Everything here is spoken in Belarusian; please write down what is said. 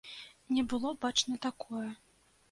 Не было бачна такое.